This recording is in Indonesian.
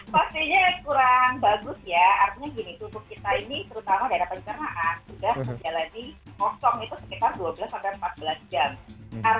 pastinya kurang bagus ya artinya gini tutup kita ini terutama daerah pencernaan sudah terjadi kosong itu sekitar dua belas sampai empat belas jam